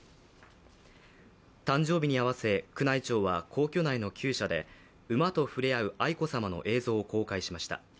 誕生日にあわせ、宮内庁は皇居内のきゅう舎で馬と触れあう愛子さまの映像を公開しました。